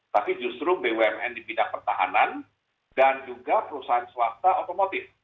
tapi justru bumn di bidang pertahanan dan juga perusahaan swasta otomotif